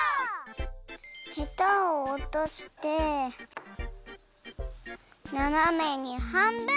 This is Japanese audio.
ヘタをおとしてななめにはんぶん！